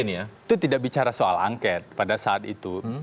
itu tidak bicara soal angket pada saat itu